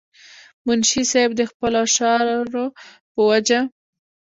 منشي صېب د خپلو اشعارو پۀ وجه